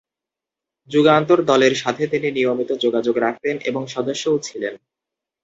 যুগান্তর দলের সাথে তিনি নিয়মিত যোগাযোগ রাখতেন এবং সদস্যও ছিলেন।